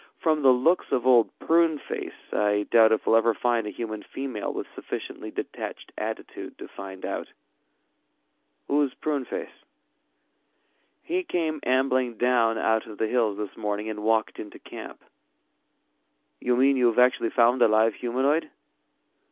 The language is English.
"From the looks of Old Pruneface I doubt if we'll ever find a human female with sufficiently detached attitude to find out." "Who's Pruneface?" "He came ambling down out of the hills this morning and walked into camp." "You mean you've actually found a live humanoid?"